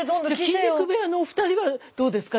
筋肉部屋のお二人はどうですか？